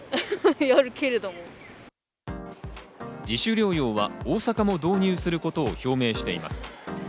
自主療養は大阪も導入することを表明しています。